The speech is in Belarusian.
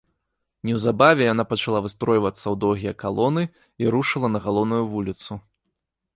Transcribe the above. Неўзабаве яна пачала выстройвацца ў доўгія калоны і рушыла на галоўную вуліцу.